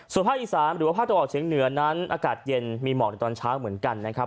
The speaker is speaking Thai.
ส่วนภาคอีสานหรือว่าภาคตะวันออกเฉียงเหนือนั้นอากาศเย็นมีหมอกในตอนเช้าเหมือนกันนะครับ